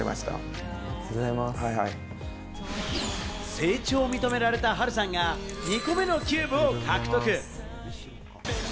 成長を認められたハルさんが２個目のキューブを獲得です。